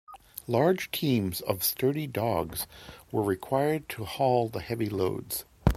Large teams of sturdy dogs were required to haul the heavy loads.